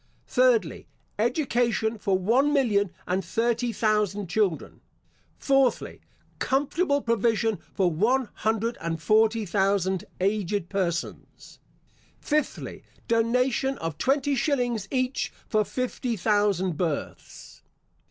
Thirdly, Education for one million and thirty thousand children. Fourthly, Comfortable provision for one hundred and forty thousand aged persons. Fifthly, Donation of twenty shillings each for fifty thousand births.